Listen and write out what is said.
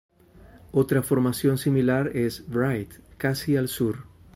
Otra formación similar es Wright, casi al sur.